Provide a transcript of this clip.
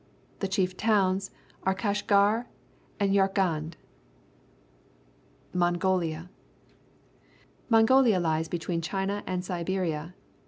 The chief towns are Kashaar and Yarkand. MONGOLIA Mongolia lies between China and Siberia.